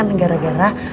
ini kan gara gara